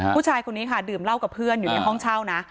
ผู้ชายคนนี้ค่ะดื่มเหล้ากับเพื่อนอยู่ในห้องเช่านะ